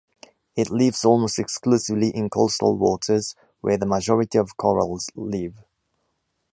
It lives almost exclusively in coastal waters, where the majority of corals live.